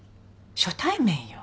初対面よ。